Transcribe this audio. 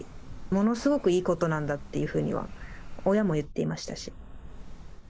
ものすごくいいことなんだというふうには親も言っていましたし。